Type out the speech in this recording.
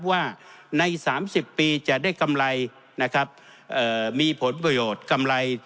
ว่าใน๓๐ปีจะได้กำไรนะครับเอ่อมีผลประโยชน์กำไร